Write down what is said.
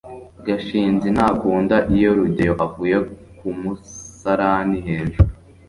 gashinzi ntakunda iyo rugeyo avuye ku musarani hejuru